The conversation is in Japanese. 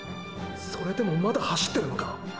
それでもまだ走ってるのか。